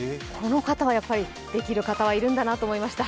やっぱりできる方はいるんだなと思いました。